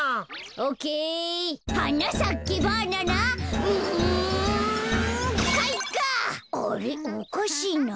おかしいな。